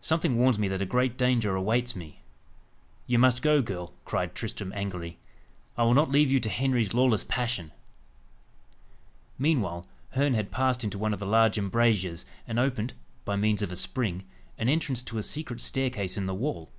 "Something warns me that a great danger awaits me." "You must go, girl," cried Tristram angrily. "I will not leave you to Henry's lawless passion." Meanwhile, Herne had passed into one of the large embrasures, and opened, by means of a spring, an entrance to a secret staircase in the wall.